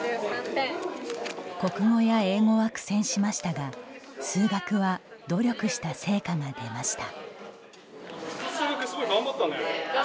国語や英語は苦戦しましたが数学は努力した成果が出ました。